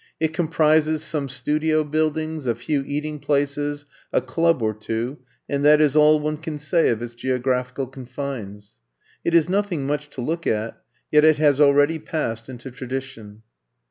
It comprises some studio buildings, a few eating places, a club or two, and that is all one can say of its geo graphical confines. It is nothing much to look at; yet it has already passed into tradition.